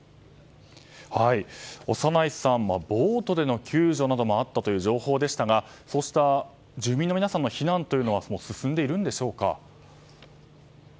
小山内さん、ボートでの救助などもあったという情報でしたがそうした住民の皆さんの避難は進んでいるのでしょうか？